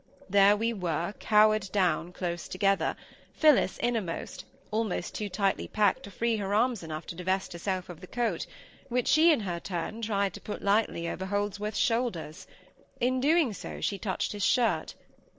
There we were, cowered down, close together, Phillis innermost, almost too tightly packed to free her arms enough to divest herself of the coat, which she, in her turn, tried to put lightly over Holdsworth's shoulders. In doing so she touched his shirt.